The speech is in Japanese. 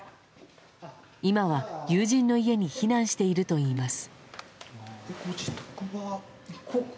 今は友人の家に避難しているといいます。